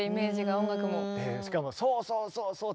しかも「そうそうそうそう！」